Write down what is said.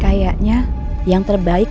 kayaknya yang terbaik